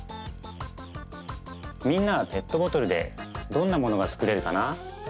みんなはペットボトルでどんなものがつくれるかな？